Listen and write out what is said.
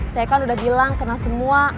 saya kan udah bilang kena semua